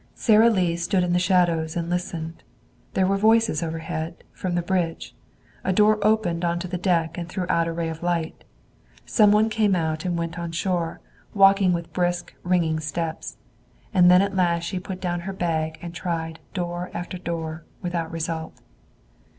Sara Lee stood in the shadows and listened. There were voices overhead, from the bridge. A door opened onto the deck and threw out a ray of light. Some one came out and went on shore, walking with brisk ringing steps. And then at last she put down her bag and tried door after door, without result.